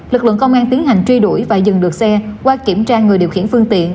lực lượng công an tiến hành truy đuổi và dừng được xe qua kiểm tra người điều khiển phương tiện